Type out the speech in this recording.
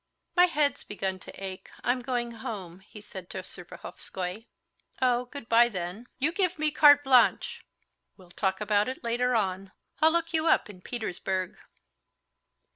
"My head's begun to ache; I'm going home," he said to Serpuhovskoy. "Oh, good bye then. You give me carte blanche!" "We'll talk about it later on; I'll look you up in Petersburg."